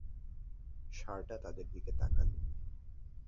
ষাড়টা তাদের দিকে তাকালো।